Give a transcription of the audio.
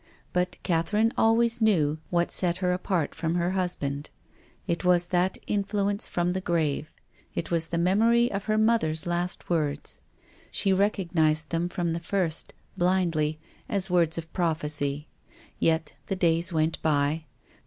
But Catherine always knew what set her apart from her husband. It was that influence from the grave. It was the memory of her mother's last words. She recog nised them from the first, blindly, as words of prophecy. Yet the days went by.